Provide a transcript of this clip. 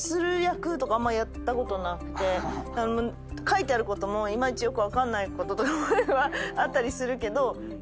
書いてあることもいまいちよく分かんないこととかもあったりするけど。